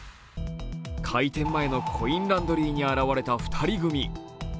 開店前のコインランドリーに現れた２人組。